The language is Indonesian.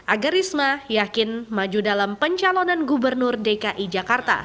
agar risma yakin maju dalam pencalonan gubernur dki jakarta